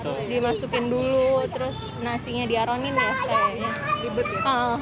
terus dimasukin dulu terus nasinya diaronin ya kayaknya dibekal